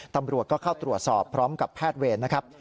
ตำรวจก็เข้าตรวจสอบพร้อมกับแพทย์เวรนะครับ